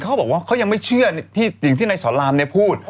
ที่เค้าก้าวยังไม่เชื่อสิ่งที่นายสอนรามพูด